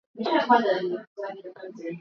Polisi walipiga kambi usiku wa Ijumaa